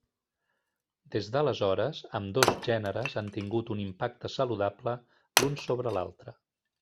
Des d'aleshores, ambdós gèneres han tingut un impacte saludable l'un sobre l'altre.